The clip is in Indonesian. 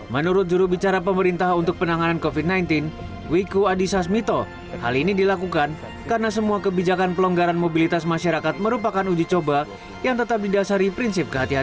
menurut jurubicara pemerintah untuk penanganan covid sembilan belas wiku adhisa smito hal ini dilakukan karena semua kebijakan pelonggaran mobilitas masyarakat merupakan uji coba yang tetap didasari prinsip kehatian